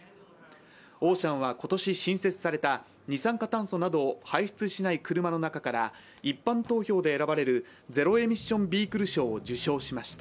オーシャンは今年新設された二酸化炭素など排出しない車の中から一般投票で選ばれるゼロ・エミッション・ビークル賞を受賞しました。